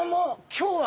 今日は？